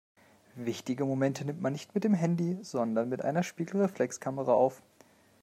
Wichtige Momente nimmt man nicht mit dem Handy, sondern mit einer Spiegelreflexkamera auf.